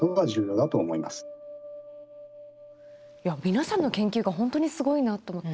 皆さんの研究が本当にすごいなと思って。